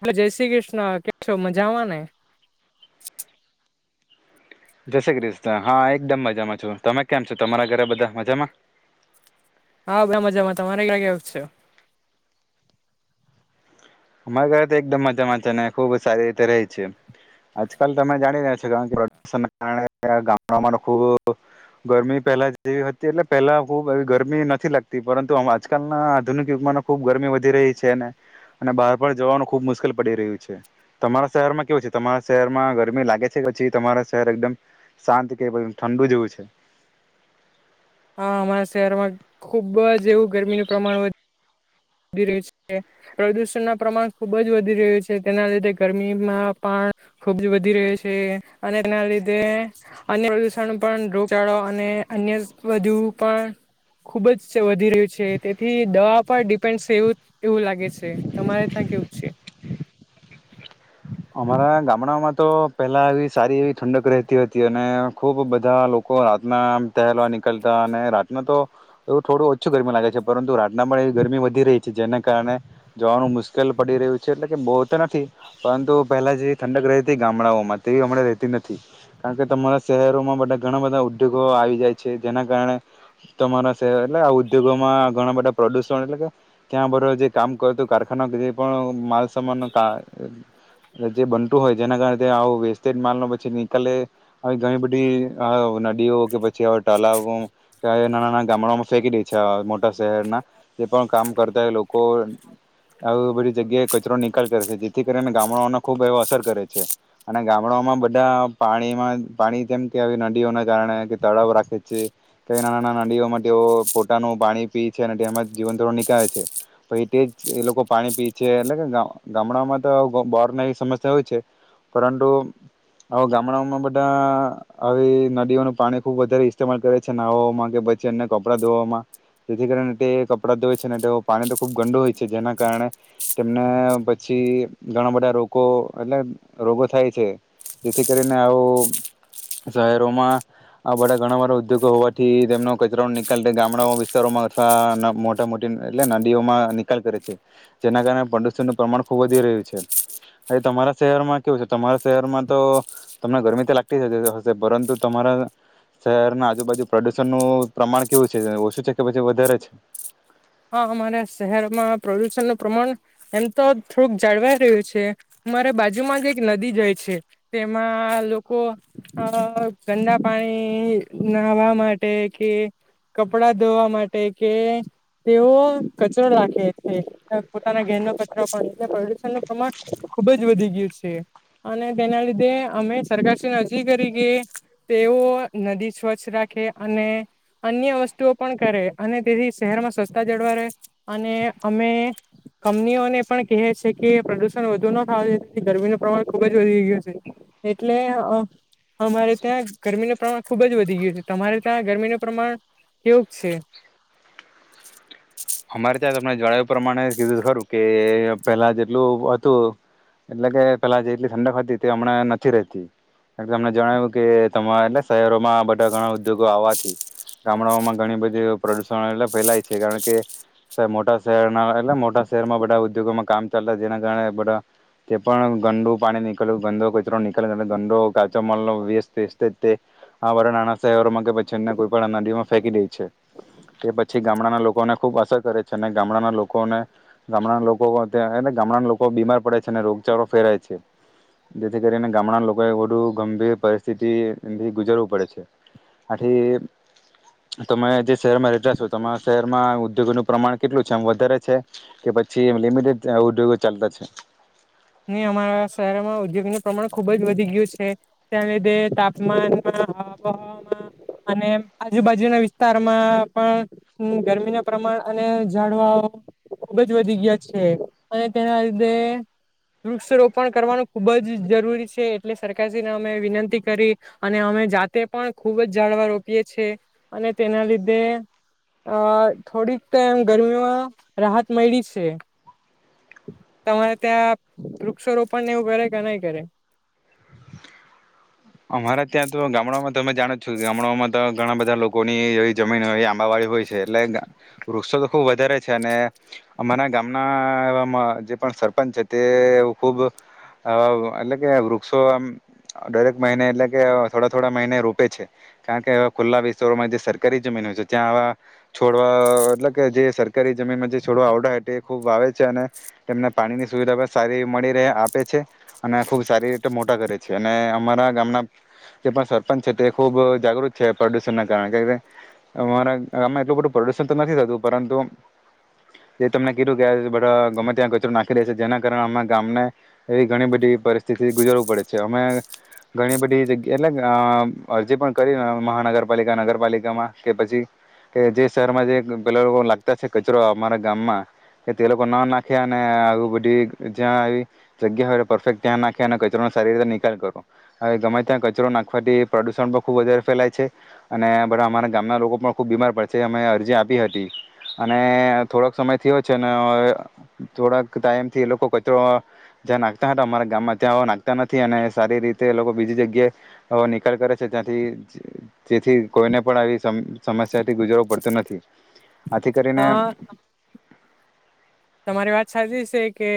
હવે જય શ્રી કૃષ્ણ કે છો મજામાં ને જય શ્રી કૃષ્ણ હા એકદમ મજામાં છું તમે કેમ છો તમારા ઘરે બધા મજામાં હા બધા મજામાં તમારે ક્યા કેવુ છે? અમારા ઘરે તો એકદમ મજામાં છે ને ખુબ સારી રીતે રહી છે આજકાલ તમે જાણી રહ્યા છો કારણ કેદણ કારણે ગામડા અમાં ખૂબ ગરમી પહેલા જેવી હતી એટલે પહેલા ખૂબ એ ગરમી નથી લાગતી પરંતુ આજકાલના આધુનિક યુગમાં ખૂબ ગરમી વધી રહી છે અને બહાર પણ જવાનું ખૂબ મુશ્કેલ પડી રહ્યું છે તમારા શહેરમાં કેવું છે તમારા શહેરમાં ગરમી લાગે છે કે પછી તમારા શહેર એકદમ શાંત કે પછ ઠંડુ જેવું છે હા અમારા શહેરમાં ખુબ જ એવું ગરમીનું પ્રમાણ વધ્યું પ્રદુષણના પ્રમાણ ખુબ જ વધી રહ્યું છે તેના લીધે [unintelligible] ખુબ જ વધી રહ્યું છે અને તેના લીધે અન્ય પ્રદુષણ પણ રોગચળો અને અન્ય બુ પણ ખુબ જ વધી રહ્યું છે તેથી દવા પર [inaudible] એવું એવું લાગે છે તમારે ત્યાં કેવું છે અમારા ગામડામાં તો પેલા એવી સારી એવી ઠંડક રહેતી હતી અને ખુબ બધા લોકો રાતના પહેલવા નીકળતા અને રાતના [unintelligible] થોડું ઓછું ગરમી લાગે છે પરંતુ રાતના પણ એવી ગરમી વધી રહી છે જેને કારણે જોવાનું મુશ્કેલ પડી રહ્યું છે એટલે કે બહ તો નથી પરંતુ પહેલા જે ઠંડક રહેતી ગામડાઓમાં તેવી હમણાં રહેતી નથી કારણ કે તમારા શહેરોમાં બા ઘણા બધા ઉદ્યોગો આવી જાય છે જેના કારણે તમારા શહેર એટલે આ ઉદ્યોગોમાં ઘણા બધા પ્રોડ્યુસન એટલે કે ત્યાં બરોબર જે કામ કરતું કારખાના જે પણ માલ મા ક જે બનતું હોય જેના કારણે આવું વેસ્ટેજ માલ ન પછી નીકાલ આવી ઘણી બધી હા નદીઓ કે પછી હવે ટાલા નાના નાના ગામડામાં ફેંકી દે છે મોટા શહેરના જે પણ કામ કરતા લોકો આવી બધી જગ્યાએ કચરો નિકાલ કરે છે જેથી કરી ગામડાઓને ખૂબ એવો અસર કરે છે અને ગામડાઓમાં બધા પાણીમાં પાણી જેમ કે આવી નદીઓના કારણે કે તળાવ રાખે છે કે ના નાના નદીઓમાં તેઓ પોતાનું પાણી પી છે અને તેમાં જીવન થોડું નીકળે છે તો એ તે જ એ લોકો પાણી પી છે એટલે કે ગામડામાં તો બોરની એવી સમસ્યા હોય છે પરંતુ આ ગામડાઓમાં બધા આવી નદીઓનું પાણી ખૂબ વધારે ઇસ્તેમાલ કરે છે નહવામાં કે પછી અ્ય કપડાં ધોવામાં જેથી કરી તે કપડાં ધોય છે તેઓ પાણી તો ખૂબ ગંડું હોય છે જેના કારણે તેમને પછી ઘણા બધા રોગ એટલે રોગો થાય છે જેથી કરીને આવું શહેરોમાં બધા ઘણા બધા ઉદ્યોગો હોવાથી તેમનો કચરો નિકાલ ગામડા વિસ્તારોમાં અથવા મોટા મોટી એટલે નદીઓમાં નિકાલ કરે છે જેના કારણે પ્રદુષણનું પ્રમાણ ખુબ વધી રહ્યું છે હ તમારા શહેરમાં કેવું છે તમારા શહેરમાં તો, તમને ગરમી તો લાગતી જ હ પરંતુ તમારા, શહેરના આજુબાજુ પ્રદુષણનું પ્રમાણ કેવું છે ઓછું છે કે પછી વધારે છે? હા અમારા શહેરમાં પ્રદુષણનું પ્રમાણ, એમ તો થોડુંક જાળવાઈ રહ્યું છે, અમારે બાજુમાં જ એક નદી જાય છે, તેમાં લોકો આ ગંદા પાણી નાહવા માટે કે, કપડા ધોવા માટે કે. તેઓ કચરો રાખે છે પોતાના ઘેરનો કચરો પણ પ્રદુષનનું પ્રમાણ, ખુબ જ વધી ગયું છે અને તેના લીધે અમે સરકાર શ્રીને અરજી કરી કે, તેઓ નદી સ્વચ્છ રાખે અને અન્ય વસ્તુઓ પણ કરે અને તેથી શહેરમાં સ્વચ સતા જળવારે, અને અમે કંપનીઓને પણ કહે છે કે પ્રદુષણ વધુ ન થાયથી ગરમીનું ખુબ જ વધી ગયું છે એટલે અમારે ત્યાં ગરમીનું પ્રમાણ ખુબ જ વધી ગયું છે તમારે ત્યાં ગરમીનું પ્રમાણ કેવુંગ છે? અમારે અ તમને જણાવ્યું પ્રમાણે કીધું ખરું કે પેલા જેટલું હતું, એટલે કે પેલા જેટલી ઠંડક હતી તે હમણાં નથી રતી, એ તમને જણાવ્યું કે તમારે એટલે શહેરોમાં બધા ઘણા ઉદ્યોગો આવવાથી, ગામડાઓમાં ઘણી બધી પ્રદુષણ એટલે ફેલાય છે કારણ કે. સાબ મોટા શહેરના એટલે મોટા શહેરમાં બધા ઉદ્યોગોમાં કામ ચાલતા જેના કારણે બધા, જે પણ ગંડુ પાણી નીકળ્યું ગંદો કચરો નીકળ્યો ગંડો કાચો મલ ન વેસ્ત વ તે, આ નાના શહેરોમાં કે પછી પણ નદીઓમાં ફેંકી દઈ છે, કે પછી ગામડાના લોકો ખુબ અસર કરે છે અને ગામડાના લોકોને. ગામડા લોકો ત્યા એ ગામડાના લોકો બીમાર પડે છે અને રોગચાળો ફેરાય છે, જેથી કરીને ગામડાના લોકોએ વધુ ગંભીર પરિસ્થિતિથી ગુજરવું પડે છે, આથી તમે જે શહેરમાં રહેતા છો તમા શહેરમાં ઉદ્યોગનું પ્રમાણ કેટલું છે એમ વધારે છે, કે પછી એ લિમિટેડ ઉદ્યોગો ચાલતા છે? અમારા શહેરમાં ઉદ્યોગ નું પ્રમાણ ખુબ જ વધી ગયું છે, તેના લીધે તાપમાનમાં આહવામાં, અને આજુબાજુના વિસ્તારમાં પણ, ગરમી ના પ્રમાણ અને જાડવાઓ ખુબ જ વધી ગયા છે, અને તેના લીધે વૃક્ષ રોપણ કરવાનું ખૂબ જ જરૂરી છે એટલે સરકારશ્રીને અમે વિનંતી, કરી અને અમે જાતે પણ ખૂબ જ જાળવા રોપીએ છે, છેએ અને તેના લીધે અ થોડીક એમ ગરમીમાં રાહત મળી છે. તમારે ત્યાં વૃક્ષ રોપણને એવું કરે કે નહી કરે? અમારા ત્યાં તો ગામ ગામડામાં તમે જાણો છો ગામડામાં તો ઘણા બધા લોકોની એ જમીન હોય એ આંબાવાળી હોય છે એટલે, વૃક્ષો તો ખુબ વધારે છે અને, અમારા ગામના જે પણ સરપંચ છે તે ખુબ, એટલે કે વૃક્ષો આરેક મહિ એટલે કે થોડા થોડા મહિને રોપે છે, કારણ કેવા ખુલ્લા વિસ્તારોમાં જે સરકારી જમીન હોય છે ત્યાં, આવા છોડવા એટલે કે જે સરકારી જમીનમાં જે છોડવા આવડા એ ખૂબ વાવે છે અને, તેમને પાણીની સુવિધા પણ સારી મળી રહે આપે છે, અને ખુબ સારી રીતે મોટા કરે છે અને અમારા ગામના, સરપંચ છે તે ખુબ જાગૃત છે પ્રદુષણ ના કારણે અમારા ગામમાં એટલું બધું પ્રદુષણ તો નથી થતું, પરંતુ જે તમને કીધું કે બધા ગમે ત્યાં કચરો નાખી રહે છે જેના કારણે અ ગામને, એવી ઘણી બધી પરિસ્થિતિ ગુજરવું પડે છે અમે. ઘણી બધી જગ્યા એટલે અરજી પણ કરી મહાનગરપાલિકા નગરપાલિકામાં કે પછી, કે જે શહેરમાં જે પેલા લાગતા છે કચરો અમારા ગામમાં, કે તે લોકો ના નાખ્યા અને આવી બધી જ્યાં આવી જગ્યા, હોય પરફેક્ટ ત્યાં નાખ્યા અને કચરોનો સારી રીતે નિકાલ કરો. હવે ગમે ત્યાં કચરો નાખવાથી પ્રદુષણ પણ ખુબ વધારે ફેલાય છે, અને બધા અમારા ગામના લોકો પણ ખુબ બીમાર પડશે અમે અરજી આપી હતી, અને થોડોક સમય થયો છે ને થોડાક ટાઈમથી એ લોકો કચરો, જ્યાં નાખતા હતા અમારા ગામમાં ત્યાં નાખતા નથી અને સારી રીતે તો એ લોકો બીજી જગ્યા નિકાલ કરે છે ત્યાંથી જેથી કોઈને પણ આવી સમસ્યાથી ગુજરવું પડતું નથી હ આથી કરીને હા તમારી વાત સાચી છે કે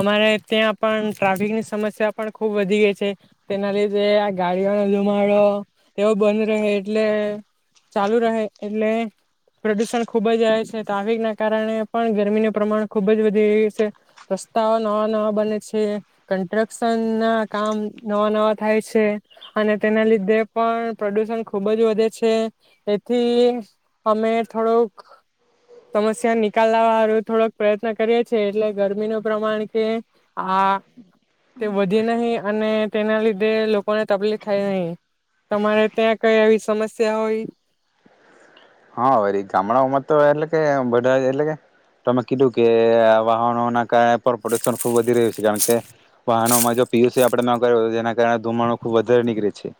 અમારે ત્યાં પણ ટ્રાફિકની સમસ્યા પણ ખુબ વધી ગઈ છે તેના લીધે આ ગાડીઓનો ધુમાડો એવો બંધ રહે એટલે ચાલુ રહે એટલે પ્રદુષણ ખુબ જ આવે છે ટ્રાફિક ના કારણે પણ ગરમીને પ્રમાણ ખૂબ જ વધી રહ્યું છે રસ્તાઓ નવા નવા બને છે કન્સ્ટ્રક્શન ના કામ નવા નવા થાય છે અને તેના લીધે પણ પ્રદુષણ ખુબ જ વધે છે એથી અમે થોડોક સમસ્યા નિકાલવાળું થોડક પ્રયત્ન કરીએ છેીએ એટલે ગરમીનું પ્રમાણ કે આ તે વધી નહીિ અને તેના લીધે લોકોને તકલીફ થાય નહી તમારે ત્યાં કઈ એવી સમસ્યા હોય હારી ગામડાઓમાં તો એટલે કે બધા એટલે કે તમે કીધું કે વાહનોના કારણે પણ પ્રદુષણ ખુબ વધી રહ્યું છે કારણ કે વાહનોમાં જો પીયુસી આપણે ન કર તો જેના કારણે ધુમાણ ખુબ વધારે નીકળે છે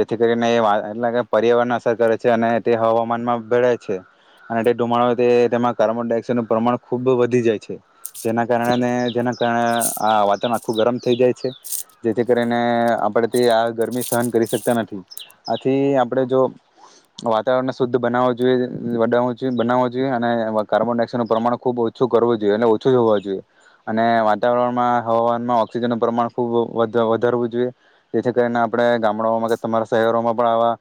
જેથી કરીને એટલે પર્યાવરણ અસર કરે છે અને તે હવામાનમાં ભળે છે અને તે ધુમાડય તે તેમાં કાર્બન ડાયોક્સાઇડ નું પ્રમાણ ખુબ વધી જાય છે જેના કારણે જેના આ વાતાવરણ આખું ગરમ થઈ જાય છે જેથી કરીને આપણે તે આ ગરમી સહન કરી શકતા નથી આથી આપણે જો વાતાવરણને શુદ્ધ બનાવ જોએ જોઈએ બનાવું જોઈએ અને કાર્બન ડાયોક્સાઇડનુંું પ્રમાણ ખૂબ ઓછું કરવું જોઈએ એટલે ઓછું હોવું જોઈએ અને વાતાવરણમાં હવામાનમાં ઓક્સિજનનું પ્રમાણ ખુબ વધારવું જોઈએ જેથી કરીને આપણે ગામડાઓમાં કે તમારા શહેરોમાં પણ આવા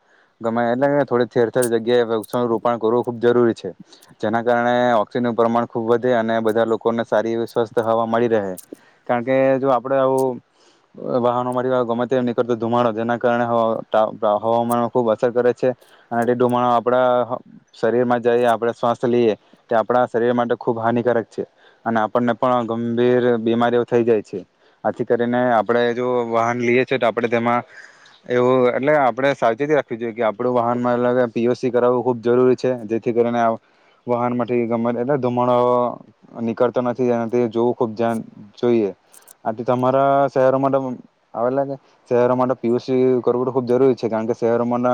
ગમે એટલે થોડી થેર જગ્યાએ રણ કરવું ખૂબ જરૂરી છે જેના કારણે ઓક્સિજનનું પ્રમાણ ખુબ વધે અને બધા લોકોને સારી સ્વસ્થ હવા મળી રહે કારણકે જો આપડે આવું વાહનો ગમે તે નીકળતો ધુમાડો જેના કારણે હવામાન ખુબ અસર કરે છે અને તે ધુમાડો આપણા શરીરમાં જઈએ આપણે સ્વાસ્થ લઈએ તે આપણા શરીર માટે ખૂબ હાનિકારક છે અને આપણને પણ ગંભીર બીમારીઓ થઈ જાય છે આથી કરીને આપણે જો વાહન લઈએ છે તો આપણે તેમાં એવું એટલે આપણે સાવચેતી રાખવી જોઈએ કે આપડું વાહનમાં અલગ પી કરવું ખુબ જરૂરી છે જેથી કરીને વાહન માંથી ગમે એટ ધુમાડા નીકળતો નથીના જોવું ખુબ જોઈએ આથી તમારા શહેરો માટે આવે એટ શહેરો માટે પીયુસી કરવું ખુબ જરૂરી છે કારણ કે શહેરોમાં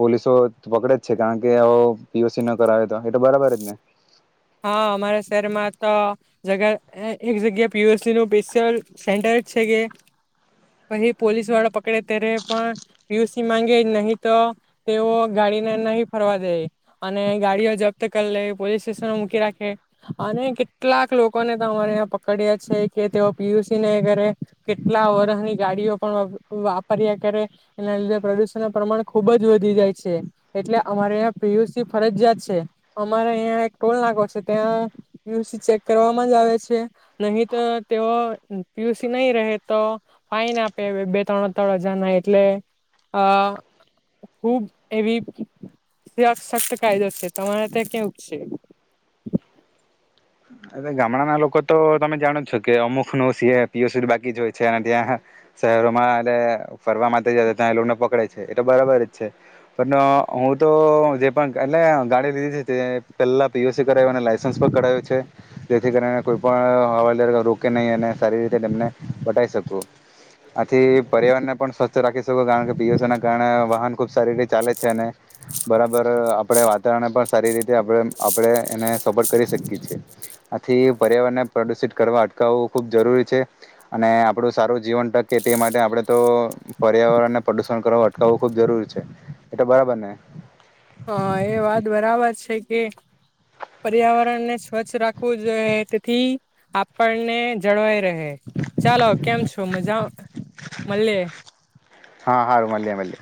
પોલીસો પકડે જ છે કારણ કે આવો પીયુસી ન કરાવે તો એ તો બરાબર જ ને હા અમારા શહેરમાં તો જગ એક જગ્યા પીુસ નું સ્પેશિયલ સેન્ટર જ છે કે પ પોલીસ વાળા પકડે ત્યારે પણ પીયુસી માંગે નહી તો તેઓ ગાડીને નહી ફરવા દે અને ગાડીઓ જપ્ત કરી લે પોલીસ સ્ટેશન મૂકી રાખે અને કેટલાક લોકોને અરે પકડ્યા છે કે તેઓ પીયુસી નહી કરે કેટલા વરહની ગાડીઓ પણ વાપર્યા કરે એના લીધે પ્રદુષણ ના પ્રમાણ ખુબ જ વધી જાય છે એટલે અમારેં પીયુસી ફરજિયાત છે અમારે અહં એક ટોલ નાકો છે ત્યાં પીયુસી ચેક કરવામાં જ આવે છે નહી તો તેઓ પીયુસી નહી રહે તો ફાઈન આપે બે ત્રણ ત્રણ હજાર ના એટલે અ ખુબ એવી સખત કાયદો છે તમારે ત્યાં કેવ છે અ ગામડાના લોકો તો તમે જાણો જ છો કે અમુક નો સી પીઓસી બાકી જ હોય છે અને ત્યાં શહેરોમાં એટ ફરવા માટે જાય ત્યાં એ લોકોને પકડે છે એ તો બરાબર જ છે પણ હું તો જે પણ એટલે ગાડી લીધી છે તે પેલા પીઓસી કરાવું અને લાયસન્સ પણ કરાવું છે જેથી કરીને કોઈ પણ હવા રોકે નહી, અને સારી રીતે એને વટાઈ શકું. આથી, પર્યાવરણને પણ સ્વસ્થ રાખી શકુ. કારણ કે, પીયુસીને કારણે વાહન ખુબ સારી રીતે ચાલે છે. અને બરાબર. ર આપડે વાતાવરણ પણ, સારી રીતે આપડે, આપડે એને સપોર્ટ કરી શકીએ છે. આથી, પર્યાવરણને પ્રદુષિત કરવા અટકાવવું ખુબ જરૂરી છે અને આપડું સારું જીવન ટકે તે માટે આપડે તો પર્યાવરણને પ્રદુષણ કરવા અટકાવવું ખુબ જરૂરી છે, એટલે બરાબર ને હા, એ વાત બરાબર છે કે પર્યાવરણ ને સ્વચ્છ રાખવું જોઈએ, તેથી, આપણને જળવાઈ રેહ. હ, ચાલો, કેમ છો, મજા મલીયે. હા, હારૂ મલીએ મલીએ.